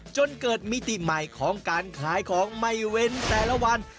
จนเกิดมิติใหม่ของการขายของไม่เว้นแต่ละวัน